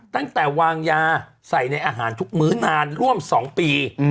ตั้งแต่วางยาใส่ในอาหารทุกมื้อนานร่วม๒ปี